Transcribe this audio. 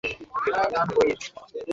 জোয়ের অবস্থা খুব খারাপ।